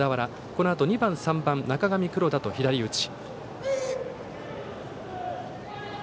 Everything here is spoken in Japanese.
このあと２番、３番中上、黒田と左打ち。